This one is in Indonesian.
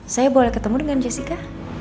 saya boleh ketemu dengan jessica